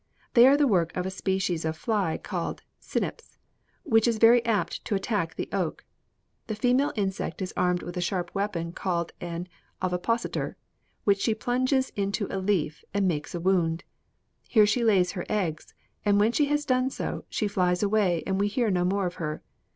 "They are the work of a species of fly called Cynips, which is very apt to attack the oak. 'The female insect is armed with a sharp weapon called an ovipositor, which she plunges into a leaf and makes a wound. Here she lays her eggs; and when she has done so, she flies away and we hear no more of her.